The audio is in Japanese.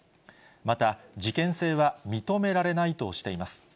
また、事件性は認められないとしています。